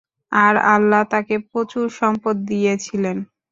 আর আল্লাহ তাঁকে প্রচুর সম্পদ দিয়েছিলেন।